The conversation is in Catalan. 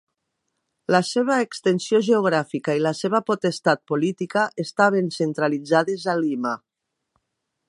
La seva extensió geogràfica i la seva potestat política estaven centralitzades a Lima.